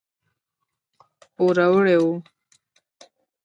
پوروړي وو.